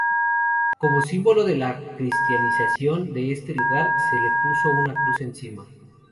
Como símbolo de la cristianización de este lugar se le puso una cruz encima.